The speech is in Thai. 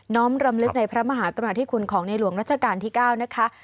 ้อมรำลึกในพระมหากรุณาธิคุณของในหลวงรัชกาลที่๙นะคะ